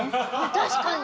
確かに！